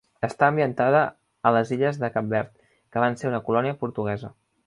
Està ambientada a les Illes de Cap Verd, que van ser una colònia portuguesa.